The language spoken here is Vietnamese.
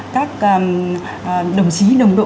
các đồng chí đồng độ